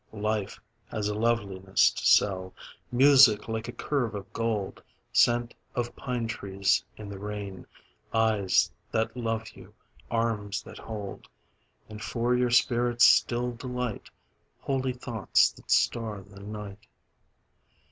Life has loveliness to sell, Music like a curve of gold, Scent of pine trees in the rain, Eyes that love you, arms that hold, And for your spirit's still delight, Holy thoughts that star the night.